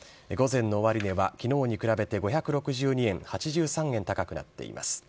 午前の終値はきのうに比べて５６２円８３銭高くなっています。